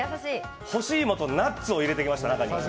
干し芋とナッツを中に入れてきました。